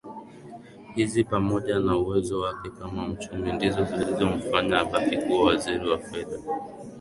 hizo pamoja na uwezo wake kama mchumi ndizo zilizomfanya abaki kuwa Waziri wa Fedha